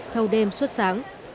thâu đêm suốt sáng